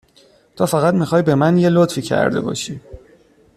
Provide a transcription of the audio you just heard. تو فقط می خوای به من یه لطفی کرده باشی